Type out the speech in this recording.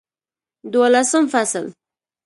دولسم فصل